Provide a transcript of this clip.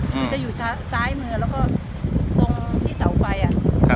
คือจะอยู่ซ้ายมือแล้วก็ตรงที่เสาไฟอ่ะ